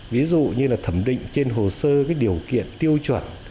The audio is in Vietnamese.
ví dụ như là thẩm định trên hồ sơ điều kiện tiêu chuẩn